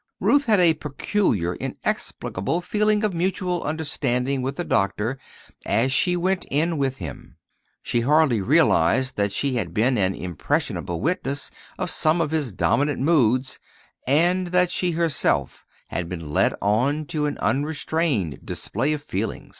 Ruth had a peculiar, inexplicable feeling of mutual understanding with the doctor as she went in with him. She hardly realized that she had been an impressionable witness of some of his dominant moods, and that she herself had been led on to an unrestrained display of feeling.